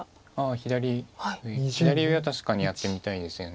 左上は確かにやってみたいですよね。